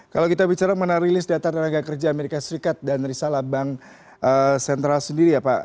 kalau kita bicara mengenai rilis data tenaga kerja amerika serikat dan risalah bank sentral sendiri ya pak